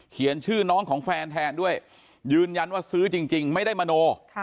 ชื่อน้องของแฟนแทนด้วยยืนยันว่าซื้อจริงไม่ได้มโน